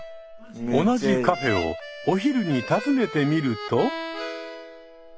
同じカフェをお昼に訪ねてみると。